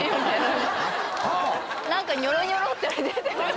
何かニョロニョロって出てる。